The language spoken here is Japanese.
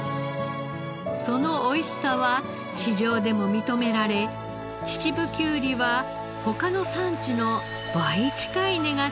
そのおいしさは市場でも認められ秩父きゅうりは他の産地の倍近い値がつく